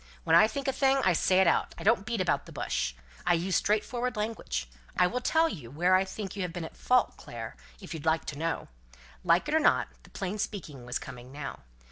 When I think a thing I say it out. I don't beat about the bush. I use straightforward language. I will tell you where I think you have been in fault, Clare, if you like to know." Like it or not, the plain speaking was coming now.